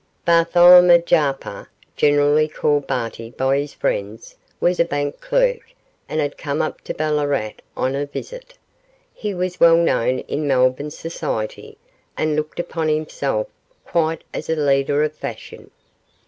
Bartholomew Jarper generally called Barty by his friends was a bank clerk, and had come up to Ballarat on a visit. He was well known in Melbourne society, and looked upon himself quite as a leader of fashion.